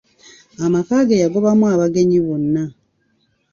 Amaka ge yagobamu abagenyi bonna.